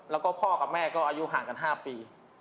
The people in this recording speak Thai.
แล้วก็พ่อกับแม่ก็อายุห่างกัน๕ปี